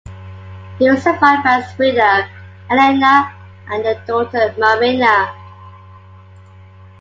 He was survived by his widow Elena and their daughter Marina.